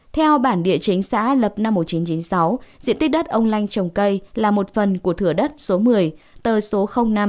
theo bản địa chính xã lập năm một nghìn chín trăm chín mươi sáu diện tích đất ông lanh trồng cây là một phần của thửa đất số một mươi tờ số năm